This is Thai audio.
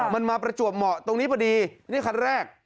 มันมาประจวบเหมาะตรงนี้พอดีนี่คันแรก